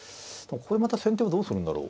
ここでまた先手はどうするんだろう。